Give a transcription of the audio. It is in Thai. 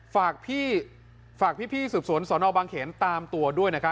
ฝากพี่ฝากพี่พี่สุดสนสอนออกบางเขนตามตัวด้วยนะคะ